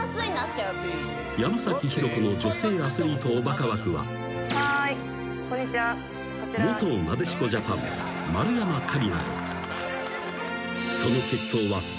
［山浩子の女性アスリートおバカ枠は元なでしこジャパン丸山桂里奈へ］